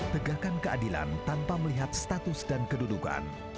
tegakkan keadilan tanpa melihat status dan kedudukan